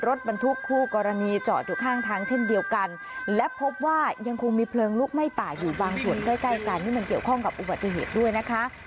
รถบรรทุกคู่กรณีจอดอยู่ข้างทางเช่นเดียวกันและพบว่ายังคงมีเพลิงลุกไหม้ป่าอยู่บางส่วนใกล้ใกล้กันนี่มันเกี่ยวข้องกับอุบัติเหตุด้วยนะคะ